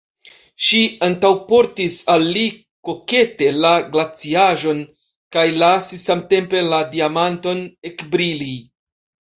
Ŝi antaŭportis al li kokete la glaciaĵon kaj lasis samtempe la diamanton ekbrili.